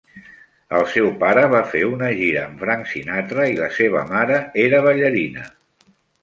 El seu pare va fer una gira amb Frank Sinatra i la seva mare era ballarina.